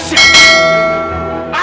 apa sih tadi ibu bilang